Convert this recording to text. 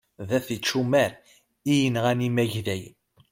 D at ičumar i yenɣan imagdayen.